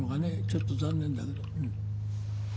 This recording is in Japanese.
ちょっと残念だけど。